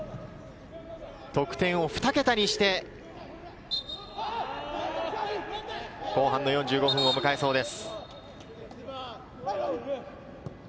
得点を２桁にして後半の４５分を迎えそうです。